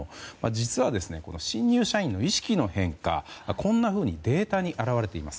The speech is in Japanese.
実は、この新入社員の意識の変化こんなふうにデータに表れています。